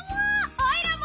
オイラも！